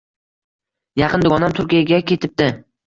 Yaqin dugonam Turkiyaga ketibdi